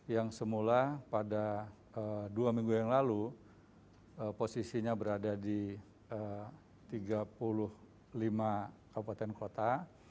yang semula pada dua minggu yang lalu posisinya berada di tiga puluh lima kabupaten kota